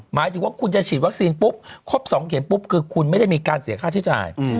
หมายถึงว่าคุณจะฉีดวัคซีนปุ๊บครบ๒เข็มปุ๊บคือคุณไม่ได้มีการเสียค่าใช้จ่าย